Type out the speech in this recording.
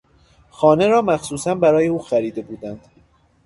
خانه را مخصوصا برای او خریده بودند.